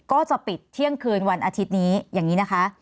ก็จะปิดเที่ยงคืนวันอาทิตย์นี้อย่างนี้นะคะ